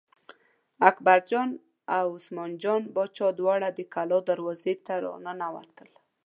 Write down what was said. اکبرجان او عثمان جان باچا دواړه د کلا دروازې ته را ننوتل.